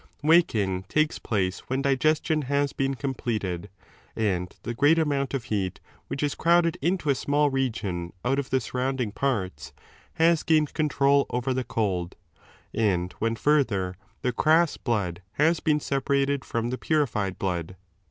Woking takes place when 17 digestion has been completed, and the great amount of I heat which is crowded into a small region out of the suTTounding parts, has gained control ([over the cold]), and when, further, the crass blood has been separated from the purified blood.